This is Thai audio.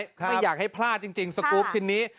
ไม่อยากให้พลาดจริงสกรูปชิ้นนี้